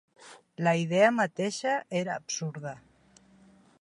La idea mateixa era absurda.